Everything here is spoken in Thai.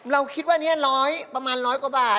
เราคิดว่านี้ประมาณ๑๐๐กว่าบาท